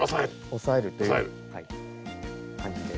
押さえるというはい感じで。